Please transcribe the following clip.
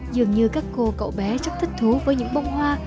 dường như các cô cậu bé rất thích thú với những bông hoa